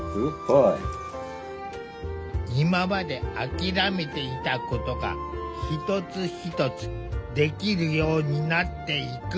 今まで諦めていたことが一つ一つできるようになっていく。